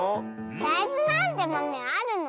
だいずなんてまめあるの？